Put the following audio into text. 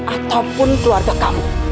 ataupun keluarga kamu